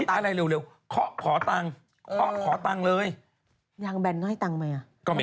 ตรงสี่แยกบ้านสวนทุกสี่แยกเลยค่ะ